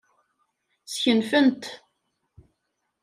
Skenfen-t.